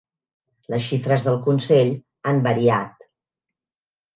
Les xifres del consell han variat.